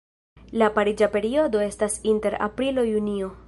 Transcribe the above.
La pariĝa periodo estas inter aprilo-junio.